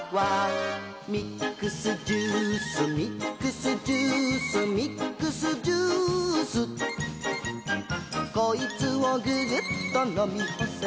「ミックスジュースミックスジュース」「ミックスジュース」「こいつをググッとのみほせば」